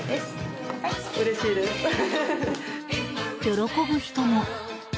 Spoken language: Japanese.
喜ぶ人も。